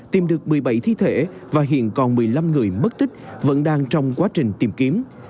tìm được một mươi bảy thi thể và hiện còn một mươi năm người mất tích vẫn đang trong quá trình tìm kiếm